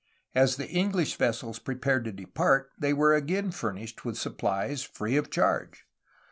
As the English vessels prepared to depart they were again furnished with supplies free of charge.